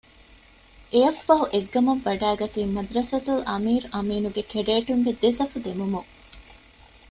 އެއަށްފަހު އެއްގަމަށް ވަޑައިގަތީ މަދްރަސަތުލް އަމީރު އަމީނުގެ ކެޑޭޓުންގެ ދެ ސަފު ދެމުމުން